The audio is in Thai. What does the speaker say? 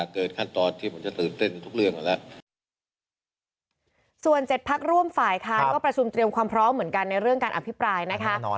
ก็ร่วมฝ่ายค่ะก็ประชุมเตรียมความพร้อมเหมือนกันในเรื่องการอภิปรายนะคะ